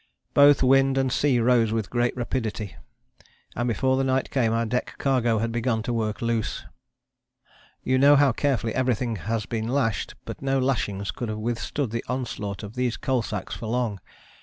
Both wind and sea rose with great rapidity, and before the night came our deck cargo had begun to work loose. "You know how carefully everything had been lashed, but no lashings could have withstood the onslaught of these coal sacks for long.